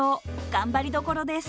頑張りどころです。